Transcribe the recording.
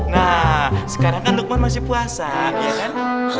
nah sekarang kan lukman masih puasa ya kan